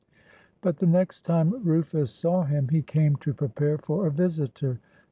But the next time Rufus saw him, he came to prepare for a visitor.